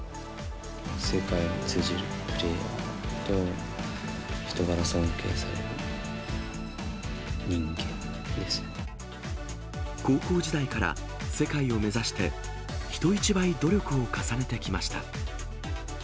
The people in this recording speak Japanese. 世界に通じるプレーヤーと、高校時代から、世界を目指して、人一倍努力を重ねてきました。